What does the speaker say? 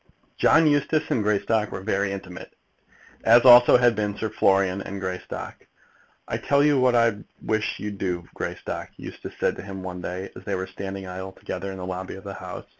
John Eustace and Greystock were very intimate, as also had been Sir Florian and Greystock. "I tell you what I wish you'd do, Greystock," Eustace said to him one day, as they were standing idly together in the lobby of the House.